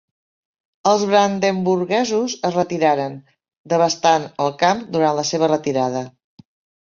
Els brandenburguesos es retiraren, devastant el camp durant la seva retirada.